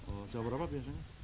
oh jawab berapa biasanya